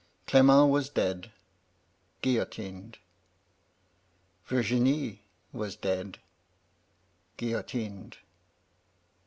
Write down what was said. "* Clement was dead — ^guillotined. Virginie was dead — ^guillotined.'